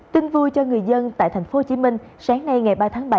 tin vui cho người dân tại tp hcm sáng nay ngày ba tháng bảy